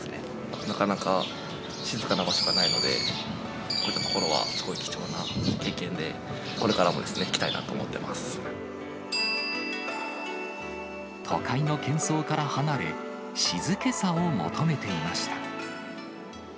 なかなか静かな場所がないので、こういった所はすごい貴重な経験で、これからもですね、都会のけん騒から離れ、静けさを求めていました。